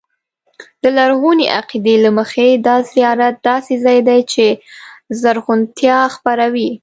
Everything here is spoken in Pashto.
د لرغوني عقیدې له مخې دا زیارت داسې ځای دی چې زرغونتیا خپروي.